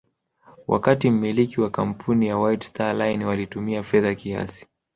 wakati mmiliki wa kampuni ya White Star Line walitumia fedha kiasi